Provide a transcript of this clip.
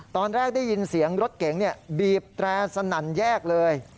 ตอนแรกได้ยินเสียงรถเก๋งบีบแตรสนั่นแยกเลย